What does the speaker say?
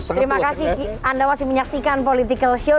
terima kasih anda masih menyaksikan political show